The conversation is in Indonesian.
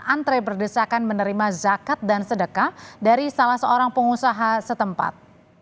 antre berdesakan menerima zakat dan sedekah dari salah seorang pengusaha setempat